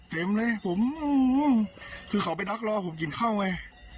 เห็นเลยเหมือนว่าเขาไปดักรอผมกินข้าวไว้